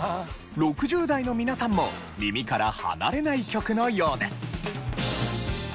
６０代の皆さんも耳から離れない曲のようです。